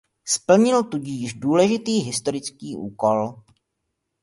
Splnil tudíž důležitý historický úkol.